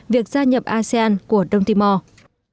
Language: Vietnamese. việc gia nhập asean của đông timor